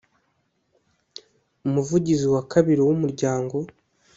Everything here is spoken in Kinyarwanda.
Umuvugizi wa kabiri w umuryango.